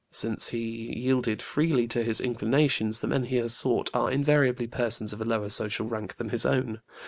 Since he yielded freely to his inclinations the men he has sought are invariably persons of a lower social rank than his own.